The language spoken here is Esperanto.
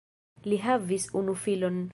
Li havis unu filon.